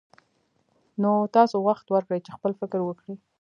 نو تاسې وخت ورکړئ چې خپل فکر وکړي.